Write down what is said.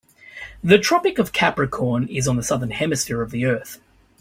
The Tropic of Capricorn is on the Southern Hemisphere of the earth.